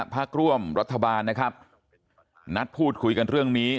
ผมก็ไม่ชัดคล่องค่ะยินดี